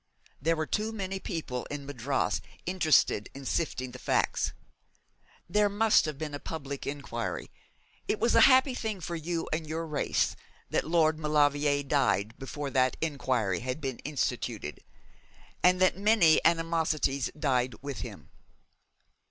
There were too many people in Madras interested in sifting the facts. There must have been a public inquiry. It was a happy thing for you and your race that Lord Maulevrier died before that inquiry had been instituted, and that many animosities died with him.